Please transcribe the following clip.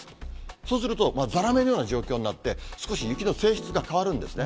そうすると、ざらめのような状況になって、少し雪の性質が変わるんですね。